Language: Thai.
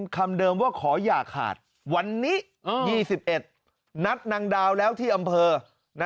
คำเดิมว่าขออย่าขาดวันนี้๒๑นัดนางดาวแล้วที่อำเภอ